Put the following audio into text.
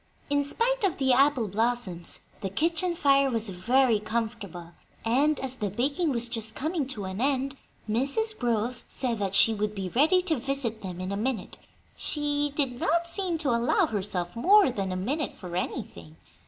In spite of the apple blossoms, the kitchen fire was very comfortable; and, as the baking was just coming to an end, Mrs. Grove said that "she would be ready to visit with them in a minute:" she did not seem to allow herself more than a "minute" for anything.